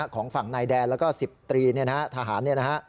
ของฝั่งนายแดนและก็๑๐ตรีทหาร